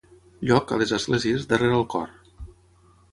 Lloc, a les esglésies, darrere el cor.